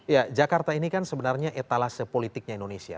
ya jakarta ini kan sebenarnya etalase politiknya indonesia